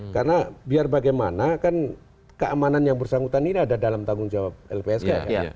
karena biar bagaimana kan keamanan yang bersangkutan ini ada dalam tanggung jawab lpsk